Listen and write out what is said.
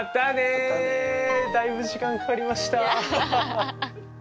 だいぶ時間かかりました。